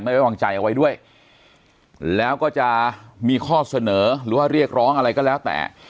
ไว้วางใจเอาไว้ด้วยแล้วก็จะมีข้อเสนอหรือว่าเรียกร้องอะไรก็แล้วแต่